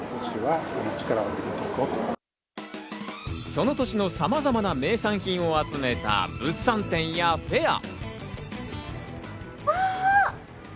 その都市のさまざまな名産品を集めた物産展やフェア。